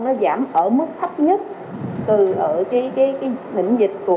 nó giảm ở mức thấp nhất